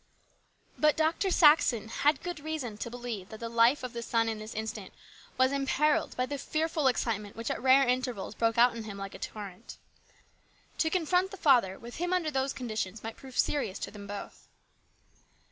But Dr. Saxon had good reason to believe that the life of the son in this instance was imperilled by the fearful excitement which at rare Intervals broke out in him like a torrent. To confront the father with him under those conditions might prove serious to them both.